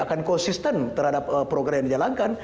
dan juga sistem terhadap program yang dijalankan